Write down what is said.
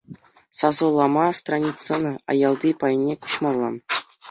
Сасӑлама страницӑн аялти пайне куҫмалла.